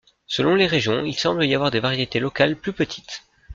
Selon les régions, il semble y avoir des variétés locales plus petites.